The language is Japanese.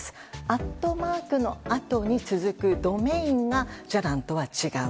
アットマークのあとに続くドメインがじゃらんとは違う。